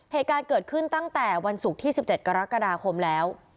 เหตุการณ์เกิดขึ้นตั้งแต่วันศุกร์ที่๑๗กรกฎาคมแล้ว